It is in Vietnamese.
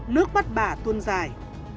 nước mắt bà tuôn dài